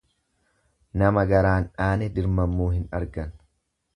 Nama garaan dhaane dirmammu hin argan.